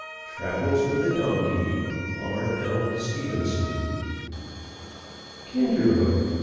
Travels with a Donkey R. L. Stevenson. Kinderhook!